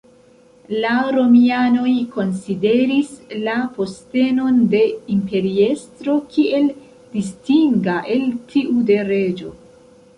La Romianoj konsideris la postenon de imperiestro kiel distinga el tiu de reĝo.